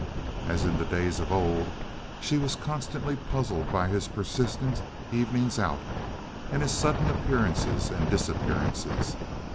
As in the days of old, she was constantly puzzled by his persistent evenings out and his sudden appearances and disappearances.